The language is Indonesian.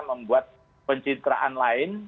membuat pencitraan lain